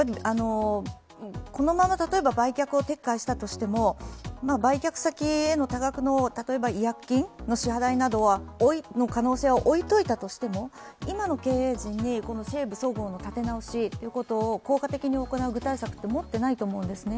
このまま例えば売却を撤回したとしても売却先への多額の違約金の支払いなどの可能性を置いておいたとしても今の経営陣に西武・そごうの立て直しを効果的に行う具体策って持ってないと思うんですね。